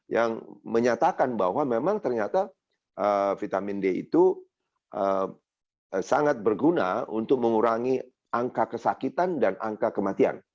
yang menyatakan bahwa memang ternyata vitamin d itu sangat berguna untuk mengurangi angka kesakitan dan angka kematian